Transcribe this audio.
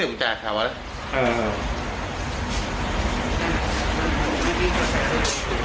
ตอนนี้คอยยิ้มแต่เจ้าแรกมือที่